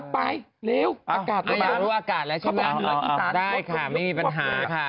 ไปเร็วไม่อยากรู้อากาศแล้วใช่ไหมได้ค่ะไม่มีปัญหาค่ะ